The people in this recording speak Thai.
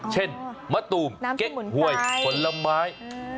มะตูมเก้งหวยผลไม้